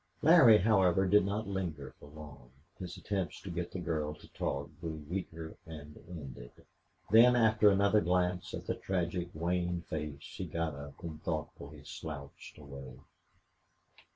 Larry, however, did not linger for long. His attempts to get the girl to talk grew weaker and ended; then, after another glance at the tragic, wan face he got up and thoughtfully slouched away.